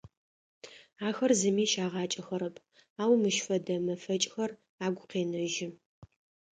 Ахэр зыми щагъакӏэхэрэп, ау мыщ фэдэ мэфэкӏхэр агу къенэжьы.